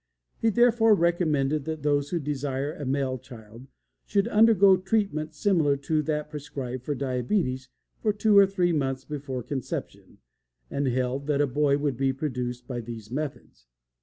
He therefore recommended that those who desire a male child should undergo treatment similar to that prescribed for diabetes for two or three months before conception, and held that a boy would be produced by these methods.